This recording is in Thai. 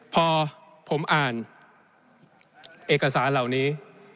พอผมอ่านเอกสารเหล่านี้